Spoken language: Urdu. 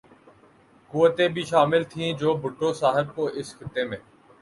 قوتیں بھی شامل تھیں جو بھٹو صاحب کو اس خطے میں